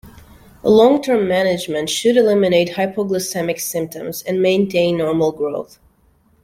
Long-term management should eliminate hypoglycemic symptoms and maintain normal growth.